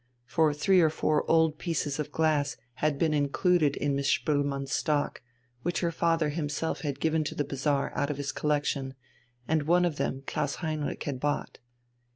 For three or four old pieces of glass had been included in Miss Spoelmann's stock which her father himself had given to the bazaar out of his collection, and one of them Klaus Heinrich had bought.